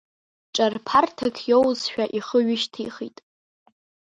Ҿарԥарҭак иоузшәа, ихы ҩышьҭихит.